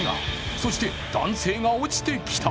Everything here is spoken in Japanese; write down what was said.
そして男性が落ちてきた。